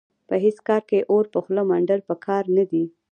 په هېڅ کار کې اور په خوله منډل په کار نه دي.